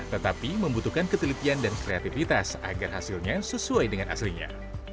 tetapi membutuhkan ketelitian dan kreativitas agar hasilnya sesuai dengan aslinya